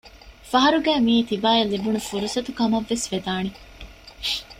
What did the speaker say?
ފަހަރުގައި މިއީ ތިބާއަށް ލިބުނު ފުރުޞަތުކަމަށްވެސް ވެދާނެ